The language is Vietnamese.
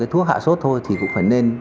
thuốc hạ sốt thôi thì cũng phải nên